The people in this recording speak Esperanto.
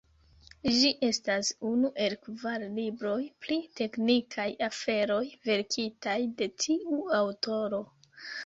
Ĝi estas unu el kvar libroj pri teknikaj aferoj verkitaj de tiu aŭtoro.